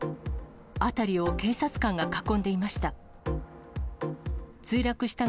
辺りを警察官が囲んでいました。